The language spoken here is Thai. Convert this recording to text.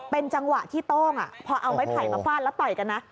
เป็นจังหวะที่โต้งพอเอาไม้ไผ่มาฟาดแล้วต่อยกันนะ